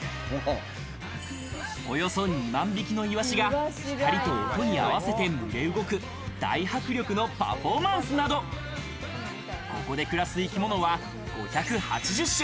およそ２万匹のイワシが光と音に合わせて群れ動く大迫力のパフォーマンスなど、ここで暮らす生き物は５８０種